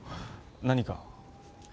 何か？